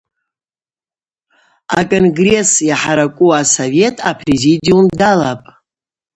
А-Конгресс Йхӏаракӏу асовет а-Президиум далапӏ.